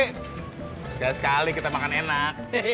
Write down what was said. sekali kita makan enak